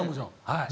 はい。